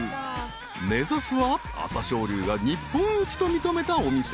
［目指すは朝青龍が日本一と認めたお店］